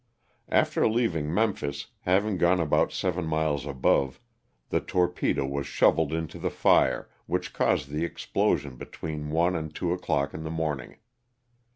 After leaving Memphis, having gone about seven miles above, the torpedo was shoveled into the fire, which caused the explosion between one aid two o'clock in the morning.